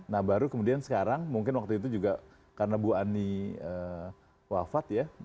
nah baru kemudian sekarang mungkin waktu itu juga karena bu ani wafat ya